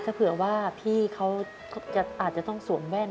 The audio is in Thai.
ถ้าเผื่อว่าพี่เขาอาจจะต้องสวมแว่น